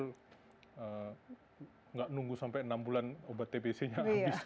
tidak menunggu sampai enam bulan obat tpc nya habis